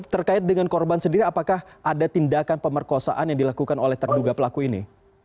terkait dengan korban sendiri apakah ada tindakan pemerkosaan yang dilakukan oleh terduga pelaku ini